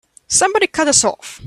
Somebody cut us off!